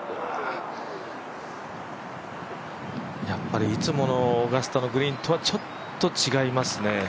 やっぱりいつものオーガスタのグリーンとはちょっと違いますね。